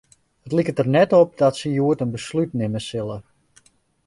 It liket der net op dat se hjoed in beslút nimme sille.